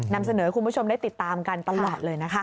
นำเสนอให้คุณผู้ชมได้ติดตามกันตลอดเลยนะคะ